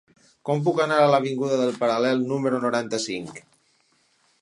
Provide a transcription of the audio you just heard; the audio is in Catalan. Com puc anar a l'avinguda del Paral·lel número noranta-cinc?